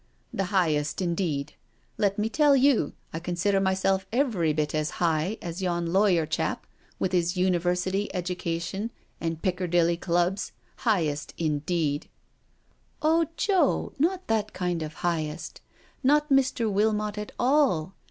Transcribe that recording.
"The highest, indeed I Let me tell you, I consider myself every bit as ' high ' as yon lawyer chap, with his University edjakation and Piccerdilly Clubs— high est, indeed I '^" Oh, Joe, not that kind of highest— not Mr. Wilmot at all.